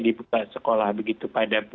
dibuka sekolah begitu pada